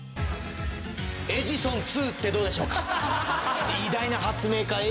エジソン２ってどうでしょうか？